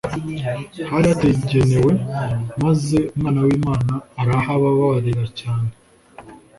hari hategenewe maze Umwana w'Imana arahababarira cyane.